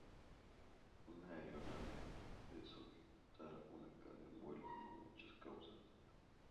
Una aeronave puede soltar una carga en vuelo por muchas causas.